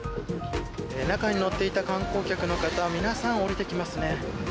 中に乗っていた観光客の方皆さん降りてきますね。